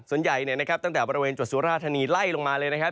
ส่วนใหญ่เนี่ยนะครับตั้งแต่บริเวณจดสุราธานีไล่ลงมาเลยนะครับ